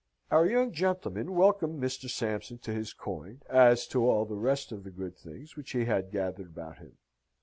Our young gentleman welcomed Mr. Sampson to his coin, as to all the rest of the good things which he had gathered about him.